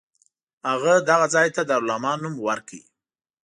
هغه دغه ځای ته دارالامان نوم ورکړ.